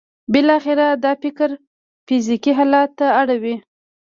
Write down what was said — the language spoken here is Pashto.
بالاخره دا فکر فزیکي حالت ته اوړي